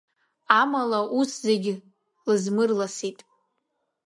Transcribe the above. Амала ус зегь лызмырласит.